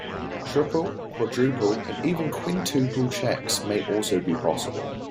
Triple, quadruple and even quintuple checks may also be possible.